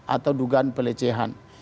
atau dugaan pelecehan